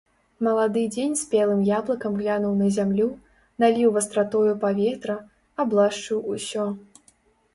Малады дзень спелым яблыкам глянуў на зямлю, наліў вастратою паветра, аблашчыў усё.